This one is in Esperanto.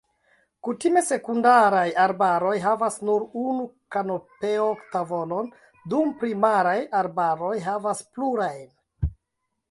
Kutime, sekundaraj arbaroj havas nur unu kanopeo-tavolon, dum primaraj arbaroj havas plurajn.